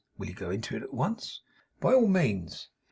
Will you go into it at once?' 'By all means.